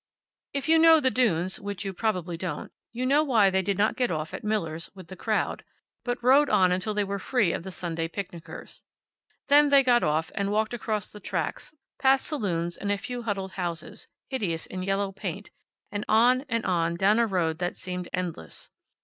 If you know the dunes, which you probably don't, you know why they did not get off at Millers, with the crowd, but rode on until they were free of the Sunday picnickers. Then they got off, and walked across the tracks, past saloons, and a few huddled houses, hideous in yellow paint, and on, and on down a road that seemed endless.